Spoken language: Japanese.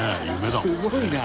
すごいな。